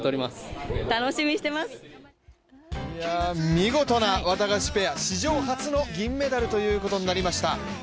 見事なワタガシペア、史上初の銀メダルということになりました。